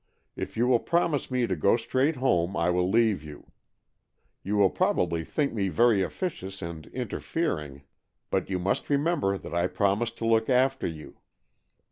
If you will promise me to go straight home, I will leave you. You will probably think me very officious and inter fering, but you must remember that I promised to look after you."